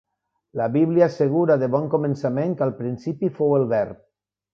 La Bíblia assegura, de bon començament, que al principi fou el verb.